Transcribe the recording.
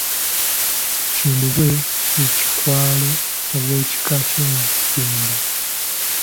Kimbugwe ye Kikwalo ow'ekika ky'Empindi.